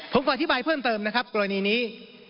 ผมก็อธิบายเพิ่มเติมนะครับกรณีนี้